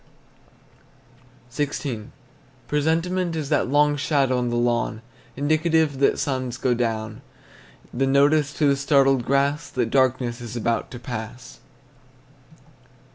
XVI. Presentiment is that long shadow on the lawn Indicative that suns go down; The notice to the startled grass That darkness is about to pass.